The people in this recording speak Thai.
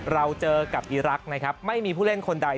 เราเจอกับอีรักษ์นะครับไม่มีผู้เล่นคนใด